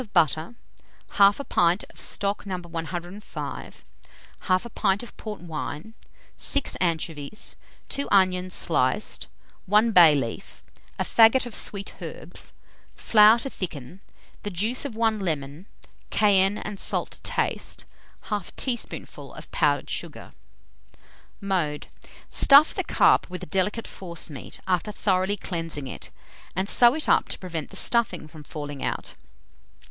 butter, 1/2 pint of stock No. 105, 1/2 pint of port wine, 6 anchovies, 2 onions sliced, 1 bay leaf, a faggot of sweet herbs, flour to thicken, the juice of 1 lemon; cayenne and salt to taste; 1/2 teaspoonful of powdered sugar. Mode. Stuff the carp with a delicate forcemeat, after thoroughly cleansing it, and sew it up to prevent the stuffing from falling out.